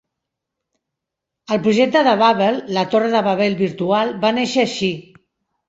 El projecte de "Babble, la torre de Babel virtual", va néixer així.